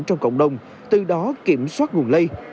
trong cộng đồng từ đó kiểm soát nguồn lây